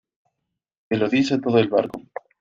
que lo dice todo el barco.